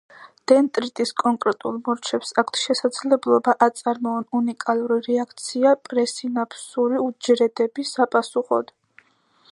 დენდრიტის კონკრეტულ მორჩებს აქვთ შესაძლებლობა აწარმოონ უნიკალური რეაქცია პრესინაფსური უჯრედების საპასუხოდ.